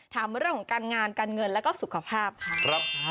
มาเรื่องของการงานการเงินแล้วก็สุขภาพค่ะ